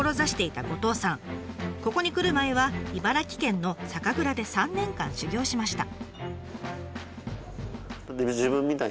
ここに来る前は茨城県の酒蔵で３年間修業しました。